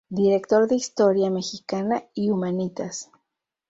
Director de Historia mexicana, y Humanitas.